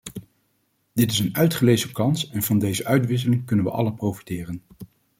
Dit is een uitgelezen kans en van deze uitwisseling kunnen we allen profiteren.